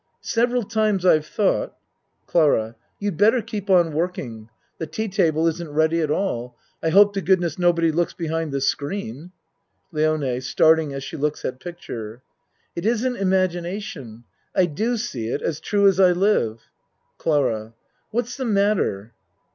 Several times I've thought CLARA You'd better keep on working. The tea table isn't ready at all. I hope to goodness no body looks behind this screen. LIONE (Starting as she looks at picture.) It isn't imagination. I do see it as true as I live. CLARA What's the matter?